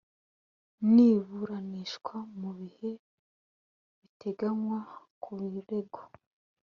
ruburanishwa mu bihe biteganywa ku birego